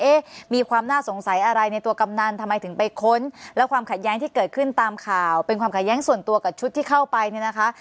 มีความน่าสงสัยอะไรในตัวกำนันทำไมถึงไปค้นแล้วความขัดแย้งที่เกิดขึ้นตามข่าวเป็นความขัดแย้งส่วนตัวกับชุดที่เข้าไปเนี่ยนะคะ